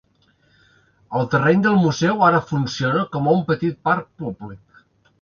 El terreny del museu ara funciona com a un petit parc públic.